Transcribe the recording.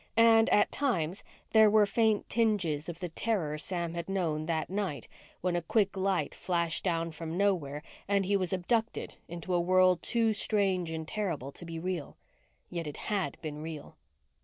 And, at times, there were faint tinges of the terror Sam had known that night when a quick light flashed down from nowhere and he was abducted into a world too strange and terrible to be real. Yet it had been real.